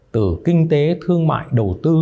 từ kinh tế thương mại đầu tư